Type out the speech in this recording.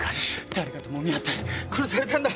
誰かともみ合って殺されたんだ。